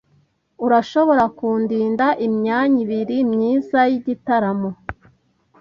Urashobora kundinda imyanya ibiri myiza yigitaramo?